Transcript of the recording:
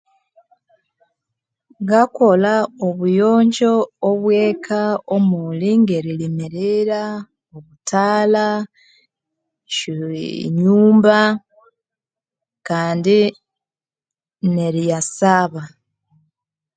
Ngakolha obuyonjo obweka omuli ngeririmirira obutalha Kandi neriyasaba